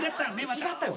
違ったよ。